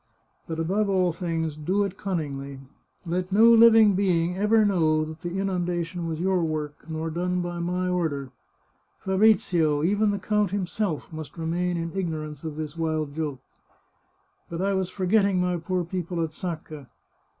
. But above all things, do it cunningly ! Let no living being ever know that the inundation was your work, nor done by my order. Fabrizio, even the count himself, must remain in ignorance of this wild joke. ... But I was forgetting my poor people at Sacca.